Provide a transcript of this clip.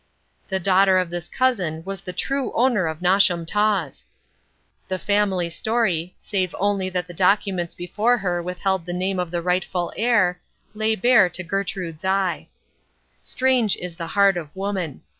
The daughter of this cousin was the true owner of Nosham Taws. The family story, save only that the documents before her withheld the name of the rightful heir, lay bare to Gertrude's eye. Strange is the heart of woman.